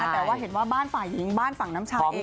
แต่ว่าเห็นว่าบ้านฝ่ายหญิงบ้านฝั่งน้ำชาเอง